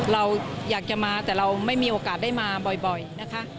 เราอยากจะมาแต่เราไม่มีโอกาสได้มาบ่อยนะคะ